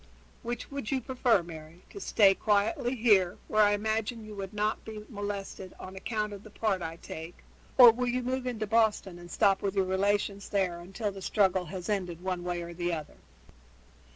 Which would you prefer, Mary to stay quietly here, where I imagine you would not be molested on account of the part I take, or will you move into Boston and stop with your relations there until the struggle has ended one way or the other?"